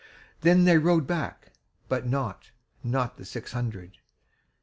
Then they rode back, but notNot the six hundred.